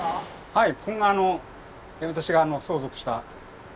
はい。